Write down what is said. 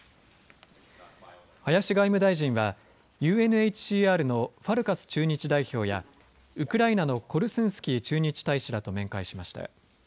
林外務大臣はＵＮＨＣＲのファルカス駐日代表やウクライナのコルスンスキー駐日大使らと面会しました。